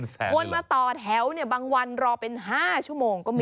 จากฐานคนมาต่อแถวบางวันรอเป็นห้าชั่วโมงก็มี